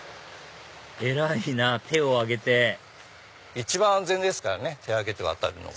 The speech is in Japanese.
偉いなぁ手を上げて一番安全です手上げて渡るのが。